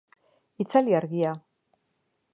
Itzali argia